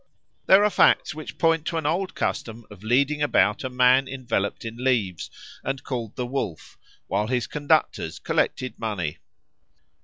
There are facts which point to an old custom of leading about a man enveloped in leaves and called the Wolf, while his conductors collected money.